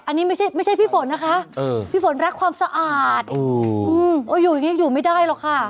อันนี้ไม่ใช่พี่ฝนนะคะพี่ฝนรักความสะอาดอยู่อย่างนี้อยู่ไม่ได้หรอกค่ะ